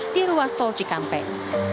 di ruas tol cikampek